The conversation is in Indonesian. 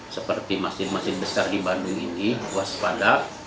seperti masjid masjid besar di bandung ini waspada